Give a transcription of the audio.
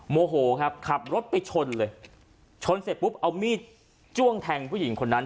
โมโหครับขับรถไปชนเลยชนเสร็จปุ๊บเอามีดจ้วงแทงผู้หญิงคนนั้น